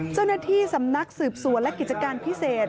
เจ้าหน้าที่สำนักสืบสวนและกิจการพิเศษ